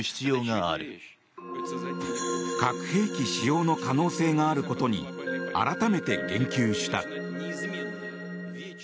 核兵器使用の可能性があることに改めて言及した。